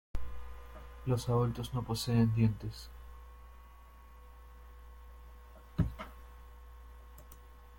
Los adultos no poseen dientes.